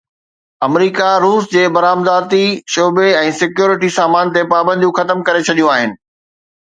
آمريڪا روس جي برآمداتي شعبي ۽ سيڪيورٽي سامان تي پابنديون ختم ڪري ڇڏيون آهن